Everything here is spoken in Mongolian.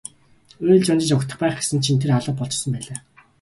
Уйлж унжиж угтах байх гэсэн чинь тэр алга болчихсон байлаа.